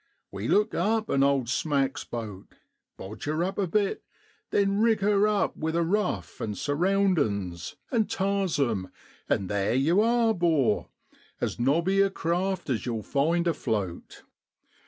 We look up an owd smack's boat, bodge her up a bit, then rig her up with a ruf, an' surroundin's, an' tars 'em an' theer yow are, 'bor as nobby a craft as yow'll find afloat.